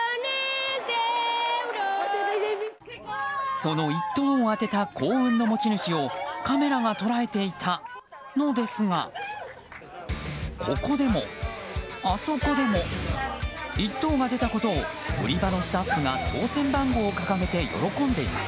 その１当を当てた幸運の持ち主をカメラが捉えていたのですがここでも、あそこでも１当が出たことを当選番号を掲げて喜んでいます。